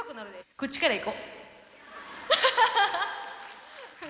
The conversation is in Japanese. こっちから行こ。